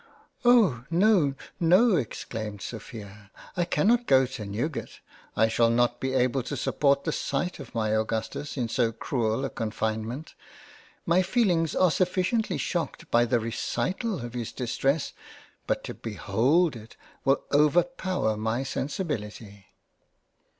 " Oh ! no, no, (exclaimed Sophia) I cannot go to Newgate ; I shall not be able to support the sight of my Augustus in so cruel a confinement — my feelings are suffi ciently shocked by the recital, of his Distress, but to behold it will overpower my Sensibility."